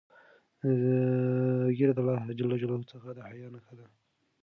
ږیره د الله جل جلاله څخه د حیا نښه ده.